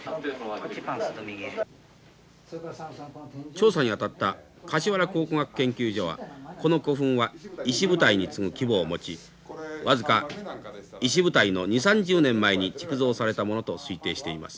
調査にあたった橿原考古学研究所はこの古墳は石舞台に次ぐ規模を持ち僅か石舞台の２０３０年前に築造されたものと推定しています。